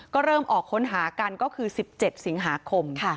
ก็เริ่มออกค้นหากันก็คือ๑๗สิงหาคม